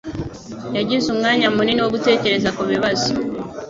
yagize umwanya munini wo gutekereza kubibazo